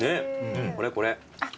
これこれ。